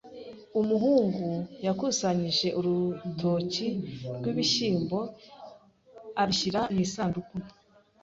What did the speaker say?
Umuhungu yakusanyije urutoki rwibishyimbo abishyira mu isanduku nto.